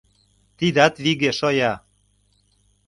Тидат виге шоя.